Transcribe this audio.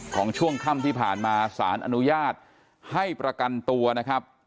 ช่วงค่ำที่ผ่านมาสารอนุญาตให้ประกันตัวนะครับ